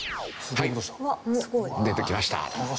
はい出てきました。